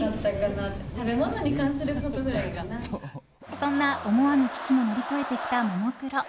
そんな思わぬ危機も乗り越えてきた、ももクロ。